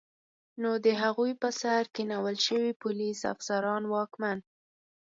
نو د هغوی پر سر کینول شوي پولیس، افسران، واکمن